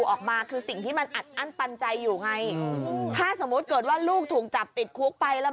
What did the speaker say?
ออกมาคือสิ่งที่มันอัดอั้นปันใจอยู่ไงถ้าสมมุติเกิดว่าลูกถูกจับติดคุกไปแล้ว